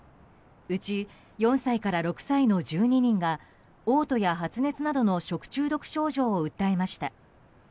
うち４歳から６歳の１２人が嘔吐や発熱などの食中毒症状を訴えました。